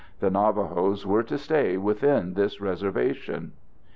The Navajos were to stay within this reservation.